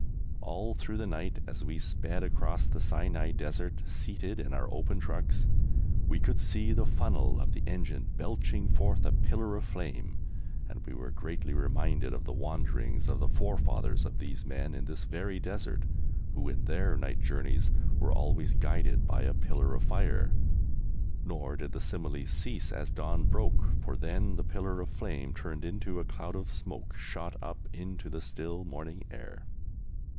All through the night, as we sped across the Sinai Desert seated in our open trucks, we could see the funnel of the engine belching forth a pillar of flame, and we were greatly reminded of the wanderings of the forefathers of these men in this very Desert, who in their night journeys were always guided by a pillar of fire. Nor did the simile cease as dawn broke, for then the pillar of flame turned into a cloud of smoke shot up into the still morning air.